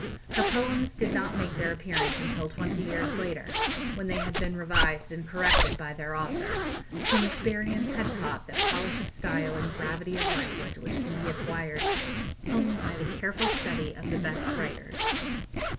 Her poems did not make their appearance until twenty years later, when they had been revised and corrected by their author, whom experience had taught that polish of style and gravity of language which can be acquired only by the careful study of the best writers.